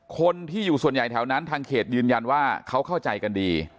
คนที่อยู่ส่วนใหญ่แถวนั้นทางเขตยืนยันว่าเขาเข้าใจกันดี